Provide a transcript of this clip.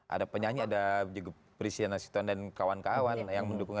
ada penyanyi ada juga presiden asisten dan kawan kawan yang mendukungnya